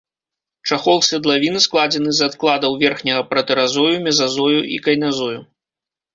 Чахол седлавіны складзены з адкладаў верхняга пратэразою, мезазою і кайназою.